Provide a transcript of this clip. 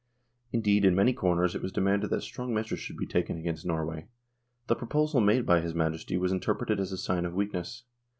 Indeed in many quarters it was demanded that strong measures should be taken against Norway. The proposal made by his Majesty was interpreted as a sign of weakness.